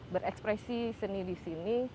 berekspresi seni di sini